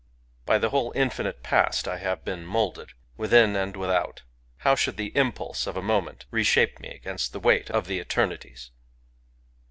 By the whole infinite past I have been moulded, within and without: how should the impulse of a mo ment reshape me against the weight of the eter nities?